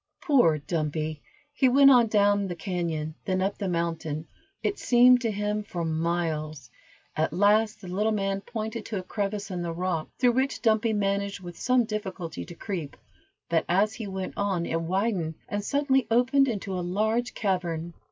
Poor Dumpy! He went on, down the cañon, then up the mountain, it seemed to him for miles; at last the little man pointed to a crevice in the rock, through which Dumpy managed with some difficulty to creep; but as he went on it widened, and suddenly opened into a large cavern.